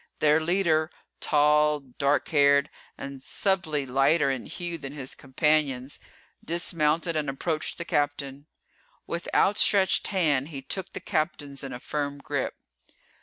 Their leader, tall, dark haired, and subtly lighter in hue than his companions, dismounted and approached the Captain. With outstretched hand he took the Captain's in a firm grip.